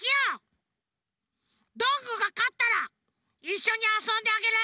どんぐーがかったらいっしょにあそんであげる！